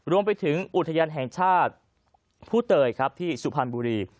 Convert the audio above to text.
รวมไปถึงอุทยานแห่งชาติผู้เตยครับที่สุพรรณบุรี